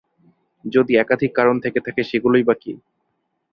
যদি একাধিক কারণ থেকে থাকে, সেগুলোই বা কী?